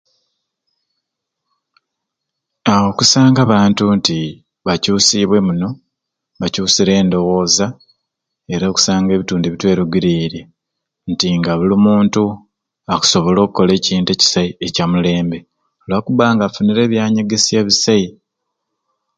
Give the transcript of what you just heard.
Haaa okusanga abantu nti bakyusibwe muno bakyusire endowooza era okusanga nebitundu ebitweruguriirye nti nga buli muntu akusobola okukola ekintu ekisai ekyamulembe lwakubanga ofunire ebyanyegesya ebisai